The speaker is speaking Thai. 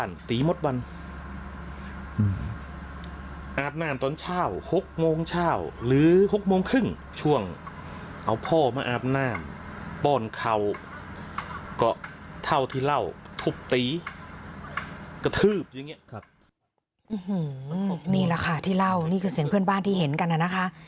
นี่แหละค่ะที่เล่านี่คือเสียงเพื่อนบ้านที่เห็นกันนะคะ